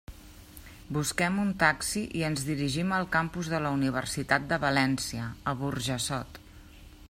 Busquem un taxi i ens dirigim al Campus de la Universitat de València, a Burjassot.